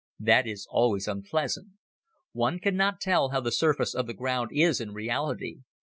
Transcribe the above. That is always unpleasant. One cannot tell how the surface of the ground is in reality.